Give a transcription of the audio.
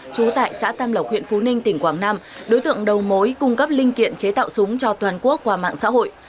trú tại xã tam lộc huyện phú ninh tỉnh quảng nam đối tượng đầu mối cung cấp linh kiện chế tạo súng cho toàn quốc qua mạng xã hội